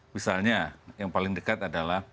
misalnya yang paling dekat adalah